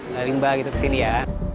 sisa limbah gitu ke sini ya